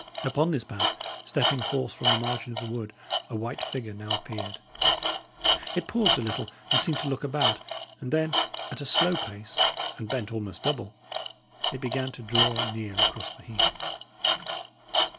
Upon this path, stepping forth from the margin of the wood, a white figure now appeared. It paused a little, and seemed to look about; and then, at a slow pace, and bent almost double, it began to draw near across the heath.